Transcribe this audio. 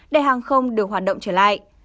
để hàng không được hoạt động trở lại